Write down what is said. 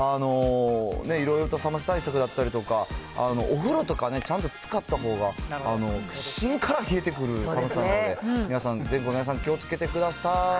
いろいろと寒さ対策だったりとか、お風呂とかちゃんとつかったほうが、しんから冷えてくる寒さなので、皆さんぜひ気をつけてください。